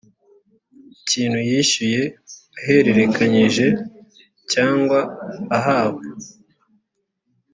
ikintu yishyuye ahererekanyije cyangwa ahawe